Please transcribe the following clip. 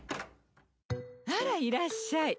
あらいらっしゃい。